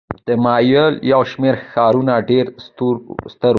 د مایا یو شمېر ښارونه ډېر ستر وو.